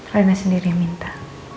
rena sendiri yang minta